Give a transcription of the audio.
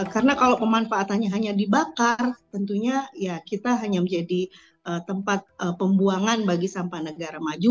karena kalau manfaatnya hanya dibakar tentunya ya kita hanya menjadi tempat pembuangan bagi sampah negara maju